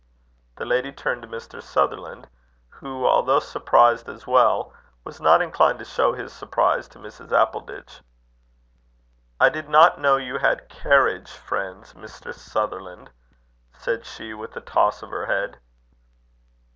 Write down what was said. The lady turned to Mr. Sutherland, who, although surprised as well, was not inclined to show his surprise to Mrs. Appleditch. "I did not know you had carriage friends, Mr. Sutherland," said she, with a toss of her head.